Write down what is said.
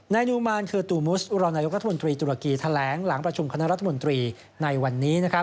นายนูมานเคอร์ตูมุสรองนายกรัฐมนตรีตุรกีแถลงหลังประชุมคณะรัฐมนตรีในวันนี้